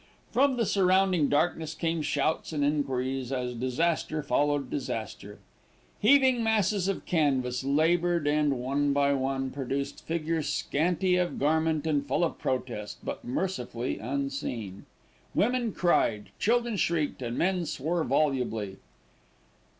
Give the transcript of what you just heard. From the surrounding darkness came shouts and enquiries as disaster followed disaster. Heaving masses of canvas laboured and, one by one, produced figures scanty of garment and full of protest; but mercifully unseen. Women cried, children shrieked, and men swore volubly.